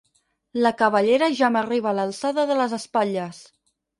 La cabellera ja m'arriba a l'alçada de les espatlles.